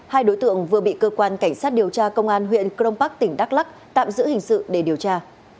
hai đối tượng vừa bị cơ quan cảnh sát điều tra công an huyện crong park tỉnh đắk lắc tạm giữ hình sự để điều tra